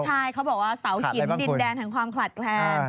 ใช่เขาบอกว่าเสาหินดินแดนแห่งความขลัดแคลน